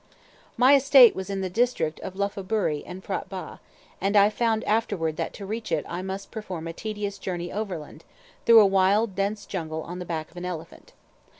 My estate was in the district of Lophaburee and P'hra Batt, and I found afterward that to reach it I must perform a tedious journey overland, through a wild, dense jungle, on the back of an elephant.